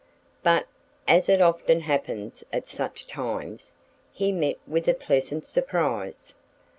But as it often happens at such times he met with a pleasant surprise.